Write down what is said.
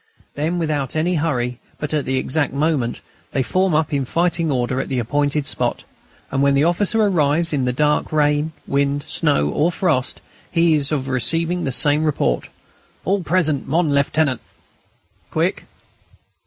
Then, without any hurry, but at the exact moment, they form up in fighting order at the appointed spot, and when the officer arrives, in the dark, rain, wind, snow, or frost, he is sure of receiving the same report: "All present, mon Lieutenant!" Quick!